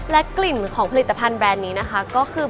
และกลิ่นของผลิตภัณฑ์แบรนด์นี้นะคะก็คือ